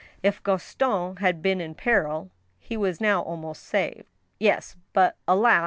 If Gaston had been in peril, he was now almost saved. Yes, but alas